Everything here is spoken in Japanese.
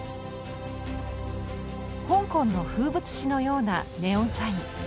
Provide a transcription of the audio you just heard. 香港の風物詩のようなネオンサイン。